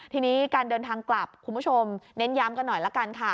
ทีนี้การเดินทางกลับคุณผู้ชมเน้นย้ำกันหน่อยละกันค่ะ